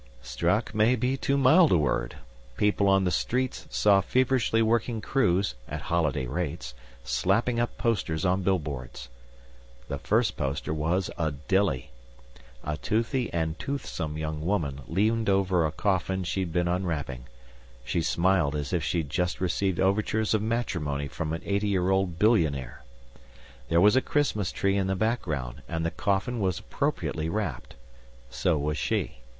Struck may be too mild a word. People on the streets saw feverishly working crews (at holiday rates!) slapping up posters on billboards. The first poster was a dilly. A toothy and toothsome young woman leaned over a coffin she'd been unwrapping. She smiled as if she'd just received overtures of matrimony from an eighty year old billionaire. There was a Christmas tree in the background, and the coffin was appropriately wrapped. So was she.